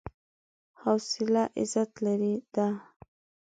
حوصله عزت ده.